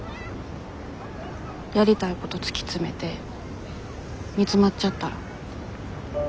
やりたいこと突き詰めて煮詰まっちゃったら。